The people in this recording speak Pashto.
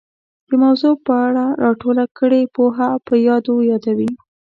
د موضوع په اړه را ټوله کړې پوهه په یادو یادوي